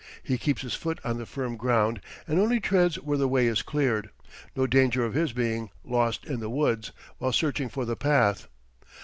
He keeps his foot on the firm ground and only treads where the way is cleared. No danger of his being "lost in the woods" while searching for the path.